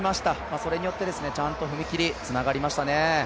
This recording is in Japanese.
それによってちゃんと踏み切り、つながりましたね。